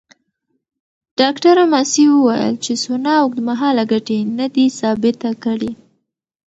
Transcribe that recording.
ډاکټره ماسي وویل چې سونا اوږدمهاله ګټې ندي ثابته کړې.